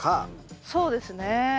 そうですね。